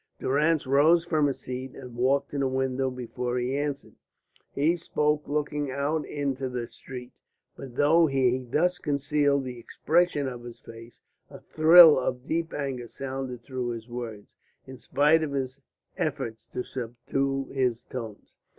Durrance rose from his seat and walked to the window before he answered. He spoke looking out into the street, but though he thus concealed the expression of his face, a thrill of deep anger sounded through his words, in spite of his efforts to subdue his tones.